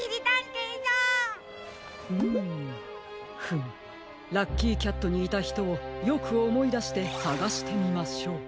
フムラッキーキャットにいたひとをよくおもいだしてさがしてみましょう。